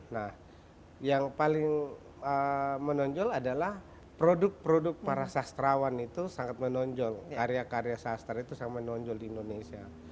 nah yang paling menonjol adalah produk produk para sastrawan itu sangat menonjol karya karya sastra itu sangat menonjol di indonesia